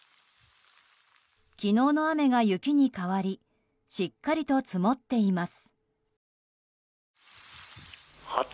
昨日の雨が雪に変わりしっかりと積もっています。